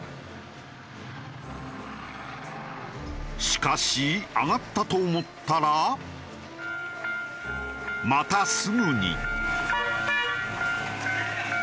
しかし上がったと思ったらまたすぐに。